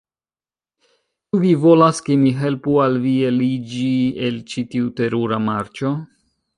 Ĉu vi volas, ke mi helpu al vi eliĝi el ĉi tiu terura marĉo?